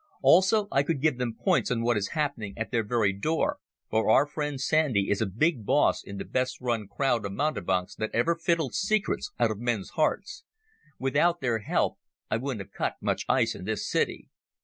Also, I could give them points on what is happening at their very door, for our friend Sandy is a big boss in the best run crowd of mountebanks that ever fiddled secrets out of men's hearts. Without their help I wouldn't have cut much ice in this city."